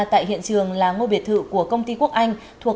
tại hiện trường là ngôi biệt thự của công ty quốc anh thuộc